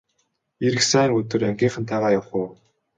Ирэх сайн өдөр ангийнхантайгаа явах уу!